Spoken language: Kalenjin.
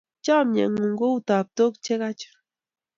Chamyengun ko u taptok che ka chun